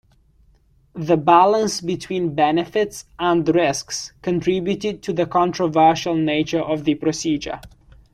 The balance between benefits and risks contributed to the controversial nature of the procedure.